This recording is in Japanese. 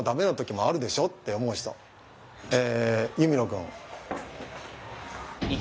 え弓野くん。